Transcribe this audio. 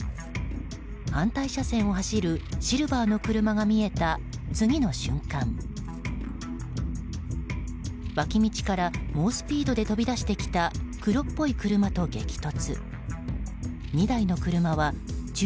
反対車線を走るシルバーの車が見えた次の瞬間脇道から猛スピードで飛び出してきた黒っぽい車と激突。